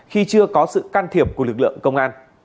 khi chưa có sự can thiệp của lực lượng công an